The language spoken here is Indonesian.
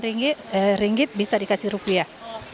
rupiah bisa dikasih rupiah